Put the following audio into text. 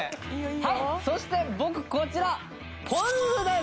はいそして僕こちらポン酢です。